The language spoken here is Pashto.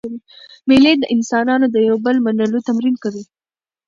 مېلې د انسانانو د یو بل منلو تمرین کوي.